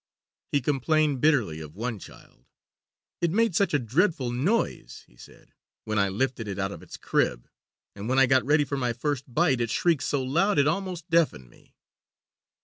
He complained bitterly of one child. "It made such a dreadful noise," he said, "when I lifted it out of its crib, and when I got ready for my first bite it shrieked so loud it almost deafened me."